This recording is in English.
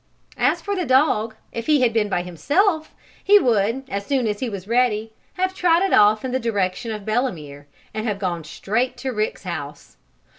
As for the dog, if he had been by himself he would, as soon as he was ready, have trotted off in the direction of Belemere, and have gone straight to Rick's house.